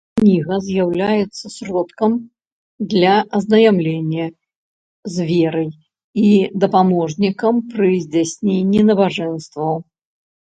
Кніга з'яўляецца сродкам для азнаямлення з верай і дапаможнікам пры здзяйсненні набажэнстваў.